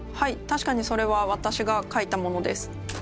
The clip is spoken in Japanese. たしかにそれは私がかいたものです。